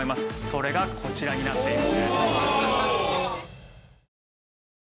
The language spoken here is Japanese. それがこちらになっているんです。